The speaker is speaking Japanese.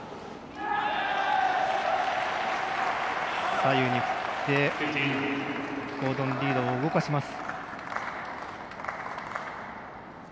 左右に振ってゴードン・リードを動かします。